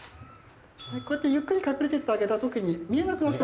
こうやってゆっくり隠れていってあげたときに見えなくなって。